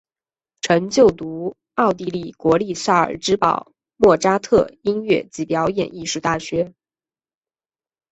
曾就读奥地利国立萨尔兹堡莫札特音乐暨表演艺术大学。